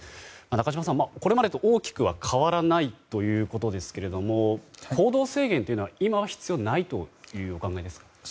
中島さん、これまでと大きくは変わらないということですけども行動制限というのは、今は必要ないというお考えですか。